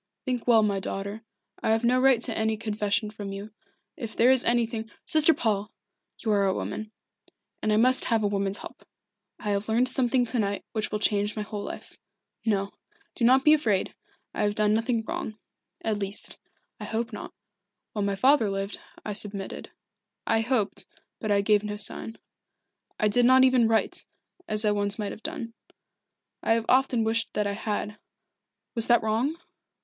"Think well, my daughter. I have no right to any confession from you. If there is anything " "Sister Paul you are a woman, and I must have a woman's help. I have learned something to night which will change my whole life. No do not be afraid I have done nothing wrong. At least, I hope not. While my father lived, I submitted. I hoped, but I gave no sign. I did not even write, as I once might have done. I have often wished that I had was that wrong?"